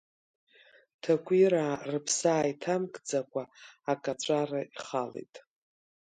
Ҭакәираа рыԥсы ааиҭамкӡакәа акаҵәара ихалеит.